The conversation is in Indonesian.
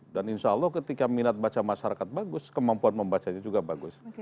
dan insya allah ketika minat baca masyarakat bagus kemampuan membacanya juga bagus